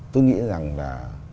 tôi nghĩ rằng là